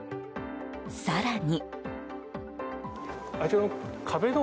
更に。